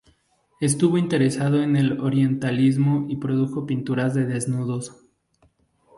Estuvo interesado en el orientalismo y produjo pinturas de desnudos.